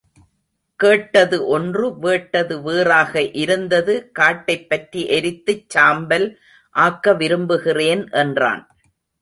கேட்டது ஒன்று வேட்டது வேறாக இருந்தது காட்டைப் பற்றி எரித்துச் சாம்பல் ஆக்க விரும்புகிறேன் என்றான்.